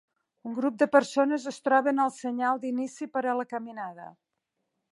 Un grup de persones es troben al senyal d'inici per a la caminada.